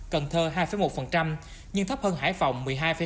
cần thơ hai một nhưng thấp hơn hải phòng một mươi hai sáu